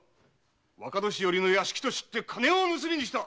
若年寄の屋敷と知って金を盗みに来た！